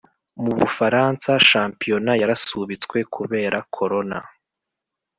Mubufaransa shampiyona yarasubitswe kubera korona